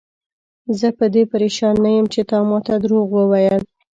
زه په دې پریشان نه یم چې تا ماته دروغ وویل.